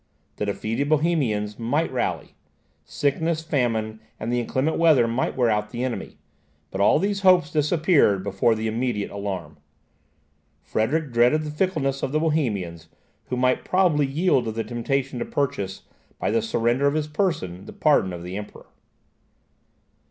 The defeated Bohemians might rally. Sickness, famine, and the inclement weather, might wear out the enemy; but all these hopes disappeared before the immediate alarm. Frederick dreaded the fickleness of the Bohemians, who might probably yield to the temptation to purchase, by the surrender of his person, the pardon of the Emperor.